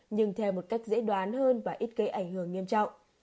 nhưng theo một cách dễ đoán hơn và ít gây ảnh hưởng nghiêm trọng